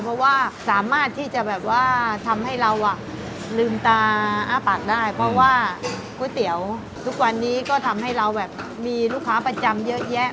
เพราะว่าสามารถที่จะแบบว่าทำให้เราอ่ะลืมตาอ้าปากได้เพราะว่าก๋วยเตี๋ยวทุกวันนี้ก็ทำให้เราแบบมีลูกค้าประจำเยอะแยะ